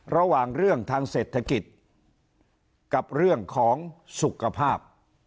ระหว่างเรื่องทางเศรษฐกิจกับเรื่องของสุขภาพ